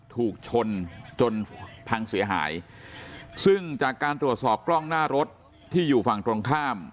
ถูกชนจนพังเสียหายซึ่งจากการตรวจสอบกล้องหน้ารถที่อยู่ฝั่งตรงข้าม